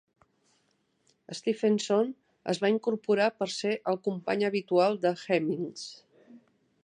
Stephenson es va incorporar per ser el company habitual de Hemmings.